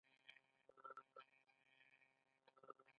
هر لغت باید خپل جواز ولري.